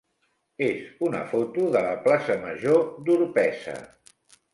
és una foto de la plaça major d'Orpesa.